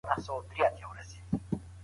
مشر څنګه نظم ساتي؟